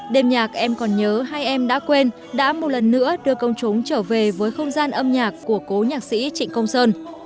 đêm nhạc em còn nhớ hai em đã quên đã một lần nữa đưa công chúng trở về với không gian âm nhạc của cố nhạc sĩ trịnh công sơn